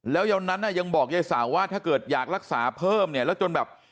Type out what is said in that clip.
แล้ววันนั้นน่ะยังบอกยายสาวว่าถ้าเกิดอยากรักษาเพิ่มเนี่ยแล้วจนแบบ